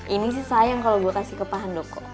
ini sih sayang kalo gue kasih kepahan doko